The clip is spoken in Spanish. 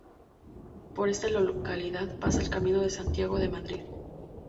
Por esta localidad pasa el Camino de Santiago de Madrid.